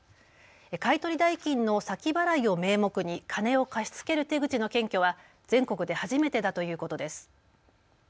買い取り代金の先払いを名目に金を貸し付ける手口の検挙は全国で初めてだということです。